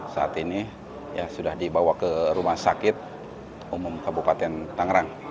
saat ini sudah dibawa ke rumah sakit umum kabupaten tangerang